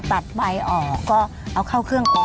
ตัดไว้ออกก็เอาเข้าเครื่องโปร่ง